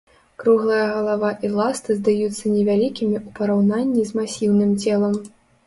Круглая галава і ласты здаюцца невялікімі ў параўнанні з масіўным целам.